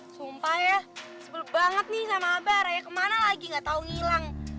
sumpah ya sebel banget nih sama aba raya kemana lagi gak tau ngilang